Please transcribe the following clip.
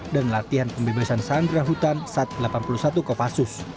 dan latihan pembebasan sandera hutan saat delapan puluh satu kopassus